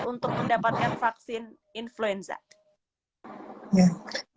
untuk mendapatkan vaksin